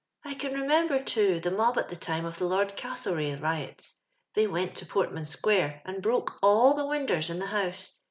'* 1 can remember, too, tlio mob at the time of the Lord Gastlerrngh riots. They went to roi'tman square and broke all the winders in tho house.